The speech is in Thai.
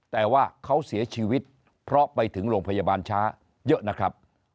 แต่ว่าเขาเสียชีวิตเพราะไปถึงโรงพยาบาลช้าเยอะนะครับ